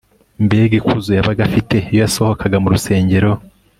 mbega ikuzo yabaga afite iyo yasohokaga mu rusengero